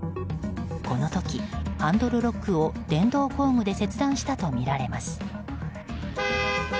この時、ハンドルロックを電動工具で切断したとみられます。